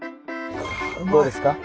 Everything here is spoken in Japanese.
どうですか？